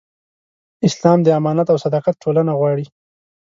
اسلام د امانت او صداقت ټولنه غواړي.